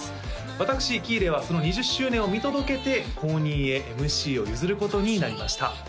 私喜入はその２０周年を見届けて後任へＭＣを譲ることになりました